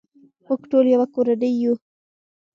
موږ ټول یو کورنۍ یو.